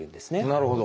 なるほど。